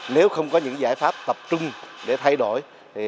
nếu không có những giải pháp tập trung để thay đổi